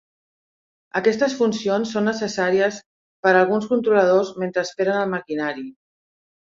Aquestes funcions són necessàries per a alguns controladors mentre esperen el maquinari.